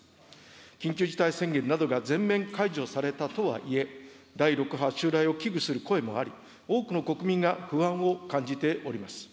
緊急事態宣言などが全面解除されたとはいえ、第６波襲来を危惧する声もあり、多くの国民が不安を感じております。